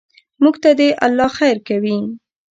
موږ ته دې الله خیر کوي.